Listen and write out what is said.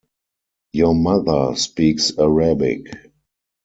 Your mother speaks Arabic.